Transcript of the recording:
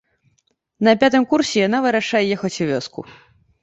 На пятым курсе яна вырашае ехаць у вёску.